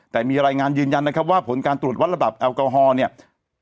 แต่มีรายงานยืนยันว่าผลการตรวจระบะแอลกอลหองภูกกับขี่รถยนต์เนี่ย